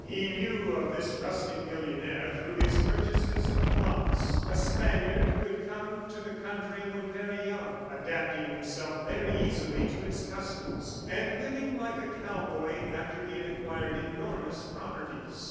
He knew of this rustic millionaire through his purchases of flocks a Spaniard who had come to the country when very young, adapting himself very easily to its customs, and living like a cowboy after he had acquired enormous properties.